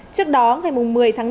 trước đó ngày một mươi tháng năm